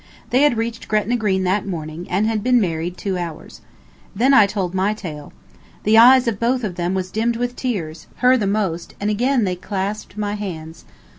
They had reached Gretna Green that morning, and had been married two hours. Then I told my tale. The eyes of both of them was dimmed with tears, hers the most, and again they clasped my hands.